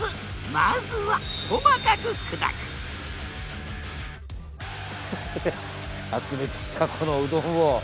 まずは細かく砕く集めてきたこのうどんを。